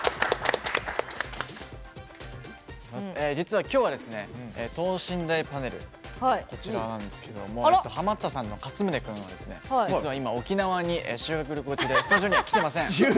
実は今日は等身大パネルなんですがハマったさんのかつむね君は実は今、沖縄に修学旅行中でスタジオには来ていません。